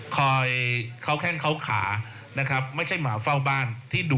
คอยเขาแข้งเขาขานะครับไม่ใช่หมาเฝ้าบ้านที่ดุ